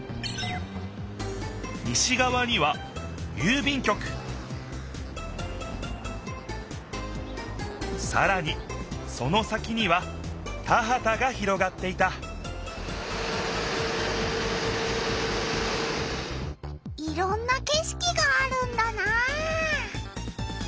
西がわには郵便局さらにその先には田はたが広がっていたいろんなけしきがあるんだなあ。